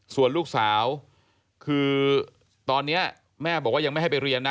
ส่วนลูกสาวคือตอนนี้แม่บอกว่ายังไม่ให้ไปเรียนนะ